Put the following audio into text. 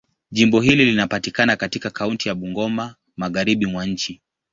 Jimbo hili linapatikana katika kaunti ya Bungoma, Magharibi mwa nchi.